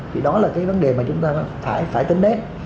thì đó là cái vấn đề mà chúng ta phải tính đến